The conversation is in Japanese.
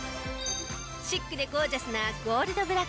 シックでゴージャスなゴールドブラック。